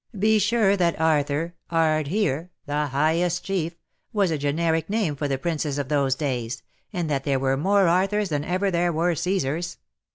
Be sure that Arthur — Ardheer — the highest chief — was a generic name for the princes of those days, and that there were more Arthurs than ever there were Caesars."